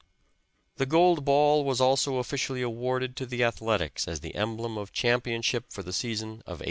The gold ball was also officially awarded to the Athletics as the emblem of championship for the season of 1868.